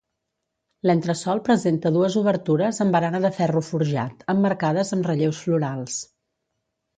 L'entresòl presenta dues obertures amb barana de ferro forjat, emmarcades amb relleus florals.